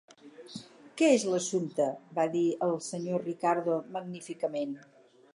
"Què és l'assumpte?", va dir el Sr Ricardo magníficament.